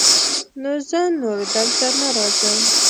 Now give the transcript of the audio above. نو زه نور دلته نه راځم.